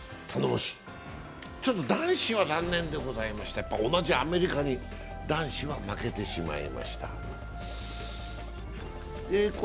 男子は残念でございました、同じアメリカに男子は負けてしまいました。